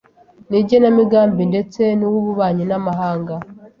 n’Igenamigambi ndetse n’uw’Ububanyi n’Amahanga